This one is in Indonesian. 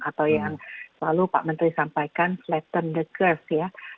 atau yang lalu pak menteri sampaikan flatten the curve ya